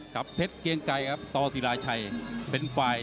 ครับเพชรเกียงไกรครับตอสีรายชัยเป็นไฟ